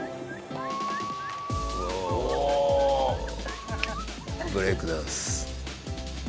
おお。ブレイクダンス。